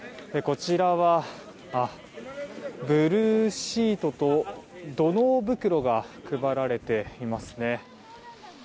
こちらはブルーシートと土のう袋が配られていますね。